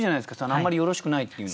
あんまりよろしくないっていうの。